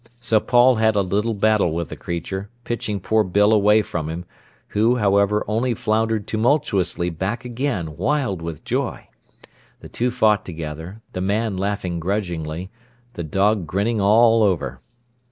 So Paul had a little battle with the creature, pitching poor Bill away from him, who, however, only floundered tumultuously back again, wild with joy. The two fought together, the man laughing grudgingly, the dog grinning all over.